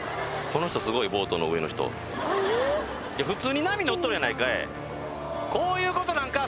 この人すごいボートの上の人いや普通に波乗っとるやないかいこういうことなんか？